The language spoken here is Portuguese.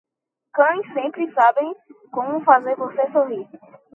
Cães sempre sabem como fazer você sorrir.